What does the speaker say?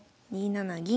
２七銀。